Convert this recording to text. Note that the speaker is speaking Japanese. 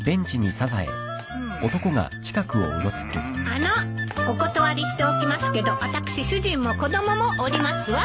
あのお断りしておきますけど私主人も子供もおりますわ。